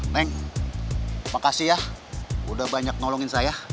neng makasih ya udah banyak nolongin saya